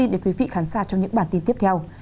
để quý vị khán xa trong những bản tin tiếp theo